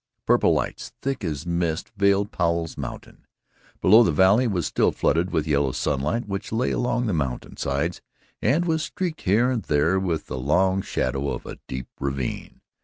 Purple lights thick as mist veiled Powell's Mountain. Below, the valley was still flooded with yellow sunlight which lay along the mountain sides and was streaked here and there with the long shadow of a deep ravine.